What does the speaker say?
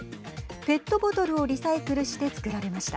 ペットボトルをリサイクルして作られました。